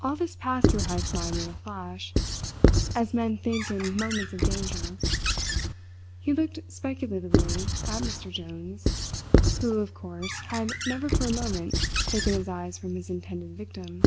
All this passed through Heyst's mind in a flash, as men think in moments of danger. He looked speculatively at Mr. Jones, who, of course, had never for a moment taken his eyes from his intended victim.